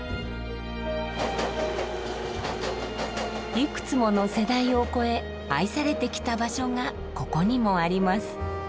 いくつもの世代を超え愛されてきた場所がここにもあります。